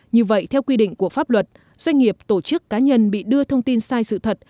như vậy theo quy định của pháp luật doanh nghiệp tổ chức cá nhân bị đưa thông tin sai sự thật